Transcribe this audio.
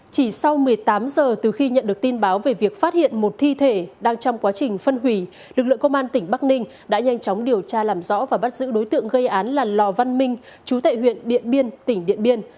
chỉ sau một mươi tám giờ từ khi nhận được tin báo về việc phát hiện một thi thể đang trong quá trình phân hủy lực lượng công an tỉnh bắc ninh đã nhanh chóng điều tra làm rõ và bắt giữ đối tượng gây án là lò văn minh chú tại huyện điện biên tỉnh điện biên